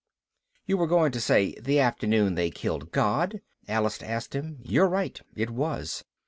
"You were going to say 'the afternoon they killed God?'" Alice asked him. "You're right, it was.